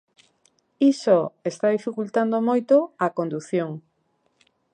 Iso está dificultando moito a condución.